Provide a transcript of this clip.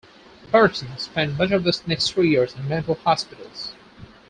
Clarkson spent much of the next three years in mental hospitals.